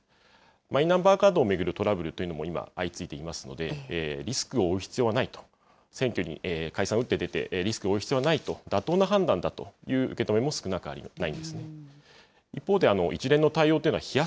マイナンバーカードを巡るトラブルというのも相次いでいますので、リスクを負う必要はないと、選挙に、解散に打って出て、リスクを負う必要はないと、妥当な判断だという声もあるんですね。